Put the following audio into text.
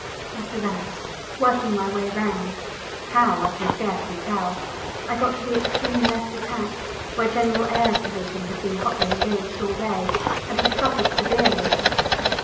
After that, working my way round, how I can scarcely tell, I got to the extreme left attack, where General Eyre's division had been hotly engaged all day, and had suffered severely.